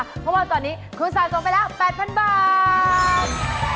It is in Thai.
เพราะว่าตอนนี้คุณสะสมไปแล้ว๘๐๐๐บาท